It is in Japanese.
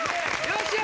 よし！